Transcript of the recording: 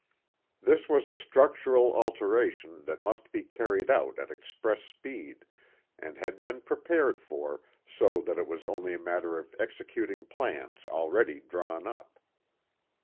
This was a structural alteration that must be carried out at express speed, and had been prepared for, so that it was only a matter of executing plans already drawn up.